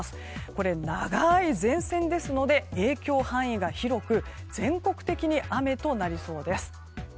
これ、長い前線ですので影響範囲が広く全国的に雨となりそうです。